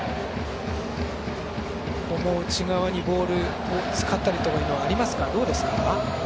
内側にボールを使ったりはありますか？